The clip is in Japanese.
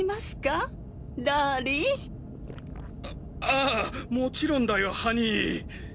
ああもちろんだよハニー。